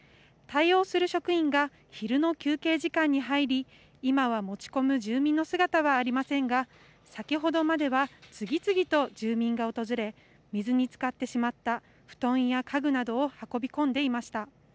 対応する職員が昼の休憩時間に入り今は持ち込む住民の姿はありませんが先ほどまでは、次々と住民が訪れ水につかってしまった布団や家具などを運び込んでいました。